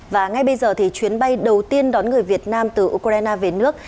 và ngay bây giờ thì chuyến bay đầu tiên đón người việt nam từ ukraine về nước